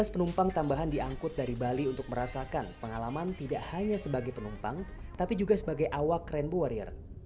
lima belas penumpang tambahan diangkut dari bali untuk merasakan pengalaman tidak hanya sebagai penumpang tapi juga sebagai awak rainbow warrior